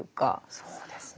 そうですね。